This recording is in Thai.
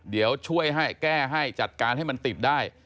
เดี๋ยวช่วยให้แก้ให้จัดการให้มันติดได้